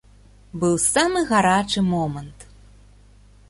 Быў самы гарачы момант.